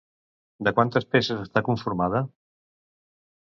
De quantes peces està conformada?